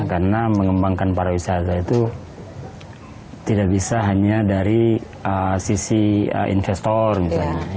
karena mengembangkan pariwisata itu tidak bisa hanya dari sisi investor misalnya